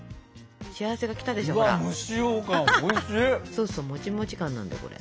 そうそうもちもち感なんだよこれ。